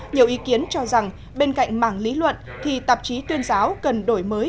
nhiều ý kiến cho rằng bên cạnh mảng lý luận thì tạp chí tuyên giáo cần đổi mới